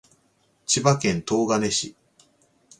千葉県東金市